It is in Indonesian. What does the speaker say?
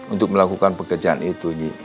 untuk melakukan pekerjaan itu